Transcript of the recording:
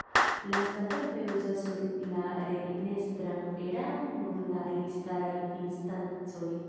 Lastatempe uzas la regnestran eraon nur la registaraj instancoj.